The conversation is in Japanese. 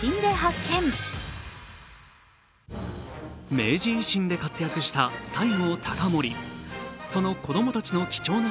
明治維新で活躍した西郷隆盛